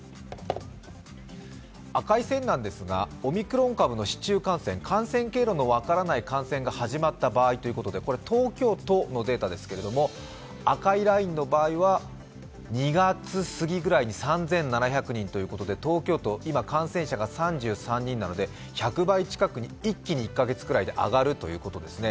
赤い線はオミクロン株の市中感染、感染経路の分からない感染が始まった場合ということでこれ、東京都のデータですけれども赤いラインの場合は、２月過ぎぐらいに３７００人ということで、東京都、今、感染者が３３人なので１００倍近くに一気に１カ月くらいで上がるということですね。